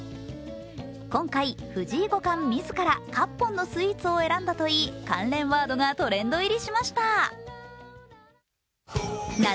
今回、藤井五冠自ら、かっぽんのスイーツを選んだといい関連ワードがトレンド入りしました。